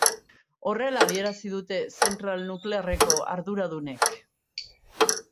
Horrela adierazi dute zentral nuklearreko arduradunek.